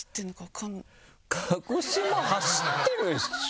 鹿児島走ってるでしょ。